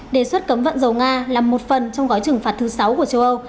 đề xuất cấm vận dầu nga là một phần trong gói trừng phạt thứ sáu của châu âu